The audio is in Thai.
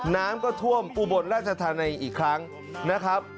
น้ำก็ท่วมอุบลราชธานีอีกครั้งนะครับ